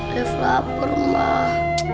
dev lapar mah